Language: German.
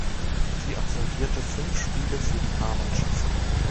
Sie absolvierte fünf Spiele für die A-Mannschaft.